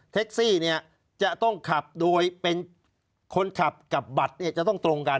ซี่เนี่ยจะต้องขับโดยเป็นคนขับกับบัตรจะต้องตรงกัน